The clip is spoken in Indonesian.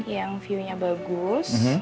yang view nya bagus